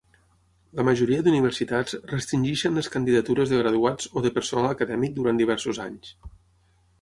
La majoria d'universitats restringeixen les candidatures de graduats o de personal acadèmic durant diversos anys.